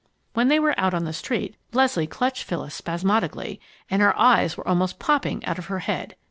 When they were out on the street, Leslie clutched Phyllis spasmodically and her eyes were almost popping out of her head.